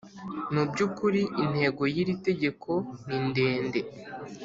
Mu by ‘ukuri intego y ‘iri tegeko nindende.